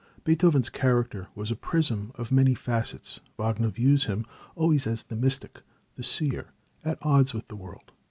Beethoven's character was a prism of many facets. Wagner views him always as the mystic, the seer, at odds with the world.